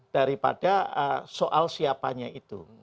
daripada soal siapanya itu